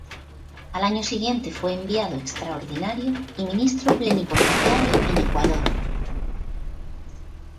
Al año siguiente fue enviado extraordinario y ministro plenipotenciario en Ecuador.